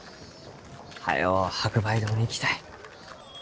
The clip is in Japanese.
早う白梅堂に行きたい。